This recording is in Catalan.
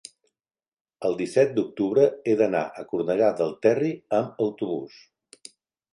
el disset d'octubre he d'anar a Cornellà del Terri amb autobús.